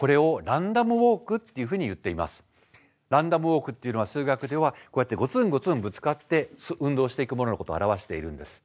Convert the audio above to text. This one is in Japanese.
ランダムウォークっていうのは数学ではこうやってゴツンゴツンぶつかって運動していくもののことを表しているんです。